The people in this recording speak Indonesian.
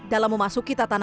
dalam memasuki tata nama